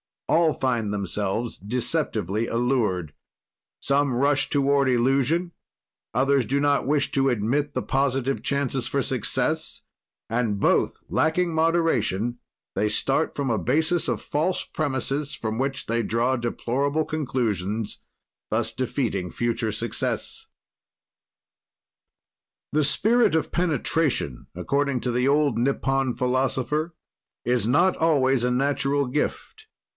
All find themselves deceptively allured; some rush toward illusion, others do not wish to admit the positive chances for success, and both lacking moderation, they start from a basis of false premises from which they draw deplorable conclusions, thus defeating future success. The spirit of penetration, according to the old Nippon philosopher, is not always a natural gift.